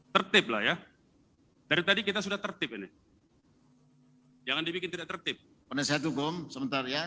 tertip lah ya dari tadi kita sudah tertip ini jangan dibikin tertip penasihat hukum sebentar ya